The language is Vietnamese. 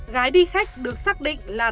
gái đi khách được xác định là